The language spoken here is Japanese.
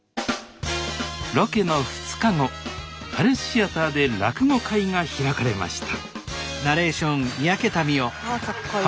ロケの２日後パレスシアターで落語会が開かれましたあかっこいい。